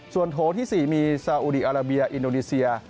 ส่วนโถที่๔มีซาอุดีอาราเบียอินโดนีเซีย